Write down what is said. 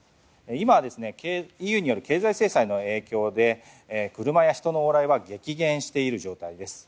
今はＥＵによる経済制裁の影響で車や人の往来は激減している状況です。